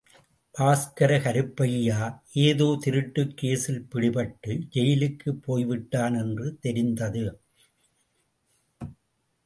பால்கார கருப்பையா ஏதோ திருட்டுக் கேசில் பிடிபட்டு ஜெயிலுக்குப் போய்விட்டான் என்று தெரிந்தது.